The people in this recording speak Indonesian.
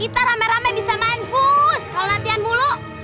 kita rame rame bisa main fus kalau latihan bulu